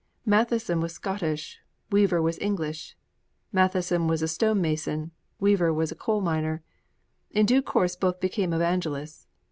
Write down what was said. Matheson was Scottish; Weaver was English. Matheson was a stonemason; Weaver was a coal miner; in due course both became evangelists.